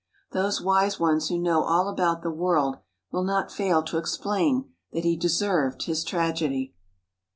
Those wise ones who know all about the world will not fail to explain that he deserved his tragedy....